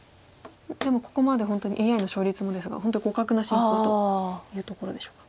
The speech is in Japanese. でもここまでＡＩの勝率もですが本当互角な進行というところでしょうか。